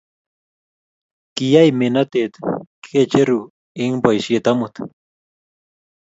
kiyai menotet ke cheru eng' boisiet amut